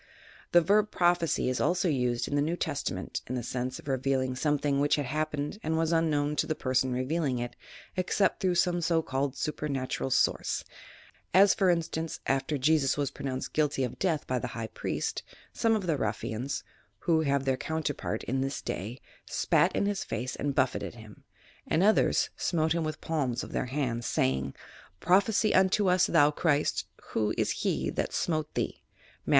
The verb prophesy is also used in the New Testament in the sense of re vealing something which had happened and was un known to the person revealing it except through some so called supernatural source; as for instance, after Jesus was pronounced guilty of death by the high priest, Bom« of the ruffians, who have their counterpart in this day, spat in his face and buffeted him; and others smote him with the palms of their hands, saying: — "Prophesy unto us, thou Christ, — Who is he that smote thee I" Matt.